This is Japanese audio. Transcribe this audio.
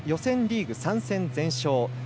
こちらは予選リーグ３戦全勝。